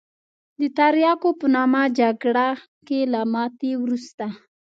د تریاکو په نامه جګړه کې له ماتې وروسته.